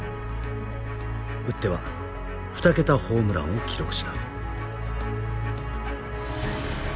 打っては２桁ホームランを記録した。